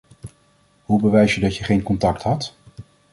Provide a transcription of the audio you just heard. Hoe bewijs je dat je geen contact had?